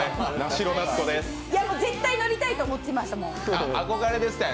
絶対乗りたいと思ってました。